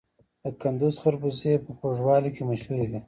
د کندز خربوزې په خوږوالي کې مشهورې دي.